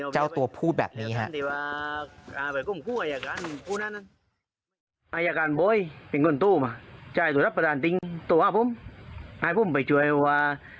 เจ้าตัวพูดแบบนี้ครับ